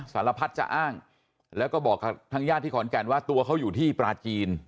สารพัดจะอ้างแล้วก็บอกกับทางญาติที่ขอนแก่นว่าตัวเขาอยู่ที่ปลาจีน